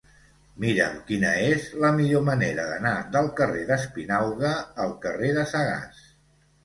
Mira'm quina és la millor manera d'anar del carrer d'Espinauga al carrer de Sagàs.